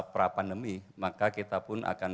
prapandemi maka kita pun akan